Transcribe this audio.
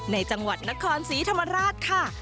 ในจังหวัดนครศรีธรรมราชค่ะ